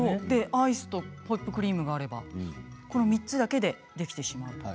でアイスとホイップクリームがあればこの３つだけでできてしまう。